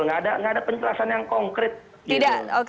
nggak ada penjelasan yang konkret gitu